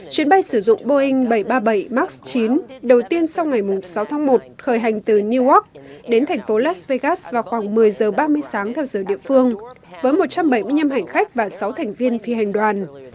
chuyến bay sử dụng boeing bảy trăm ba mươi bảy max chín đầu tiên sau ngày sáu tháng một khởi hành từ newark đến thành phố las vegas vào khoảng một mươi giờ ba mươi sáng theo giờ địa phương với một trăm bảy mươi năm hành khách và sáu thành viên phi hành đoàn